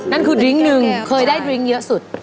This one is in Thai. นั่นคือดริ้งหนึ่งเคยได้ดริ้งเยอะสุด